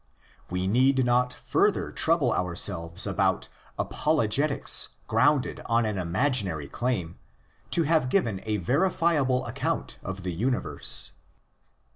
We need not further trouble ourselves about apologetics grounded on an imaginary claim to ! have given a verifiable account of the universe.